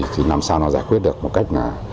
chỉ làm sao nó giải quyết được một cách